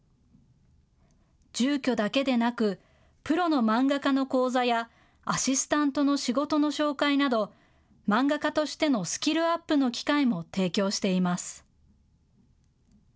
住居だけでなくプロの漫画家の講座やアシスタントの仕事の紹介など漫画家としてのスキルアップの機会も提供しています。